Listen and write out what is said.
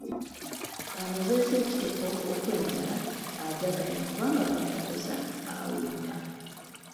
Amezezza ekitiko okwenjala ajaganya kubanga bw’atakoza awuuta.